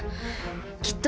きっと。